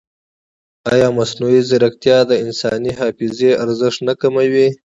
ایا مصنوعي ځیرکتیا د انساني حافظې ارزښت نه کموي؟